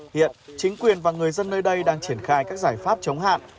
hiện chính quyền và người dân nơi đây đang triển khai các giải pháp chống hạn